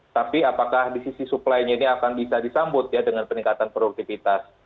tapi apakah di sisi supply nya ini akan bisa disambut ya dengan peningkatan produktivitas